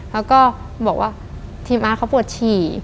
แล้วก็บอกว่าทีมอาร์ตเขาปวดฉี่